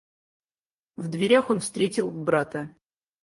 В дверях он встретил брата.